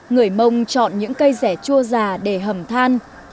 người mông chọn những cây rẻ chua già để hầm than